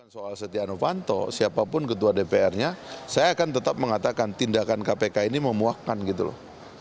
soal setia novanto siapapun ketua dpr nya saya akan tetap mengatakan tindakan kpk ini memuakkan gitu loh